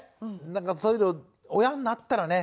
なんかそういうの親になったらね